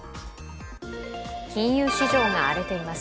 金融市場が荒れています。